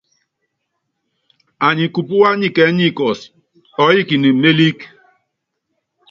Anyi kupúwá nikɛɛ́ nikɔ́si, ɔɔ́yikini mélíkí.